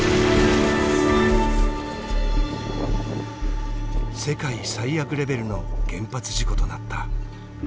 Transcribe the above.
世界最悪レベルの原発事故となった。